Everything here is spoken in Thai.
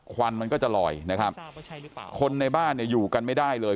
ควันมันก็จะลอยนะครับคนในบ้านเนี่ยอยู่กันไม่ได้เลย